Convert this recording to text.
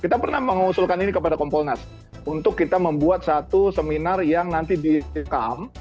kita pernah mengusulkan ini kepada kompolnas untuk kita membuat satu seminar yang nanti direkam